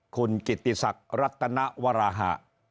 คุณกิติศักดิ์รัตนวราหะ